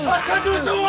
masuk ke abad woi